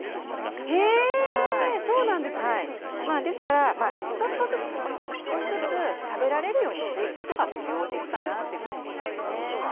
ですからちょっとずつ少しずつ少しずつ食べられるようにしていくことがこの幼児期かなぁっていうふうに思いますね。